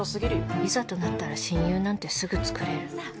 いざとなったら親友なんてすぐつくれる